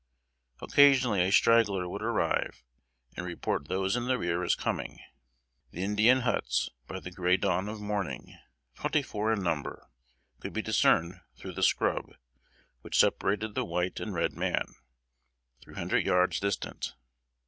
Occasionally a straggler would arrive, and report those in the rear as coming. The Indian huts, by the gray dawn of morning (twenty four in number), could be discerned through the scrub, which separated the white and red man, three hundred yards distant.